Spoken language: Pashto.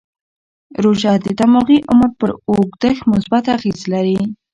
روژه د دماغي عمر پر اوږدښت مثبت اغېز لري.